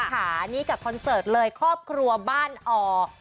ค่ะนี่กับคอนเสิร์ตเลยครอบครัวบ้านออก